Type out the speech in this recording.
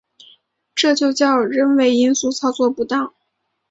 这就叫人为因素操作不当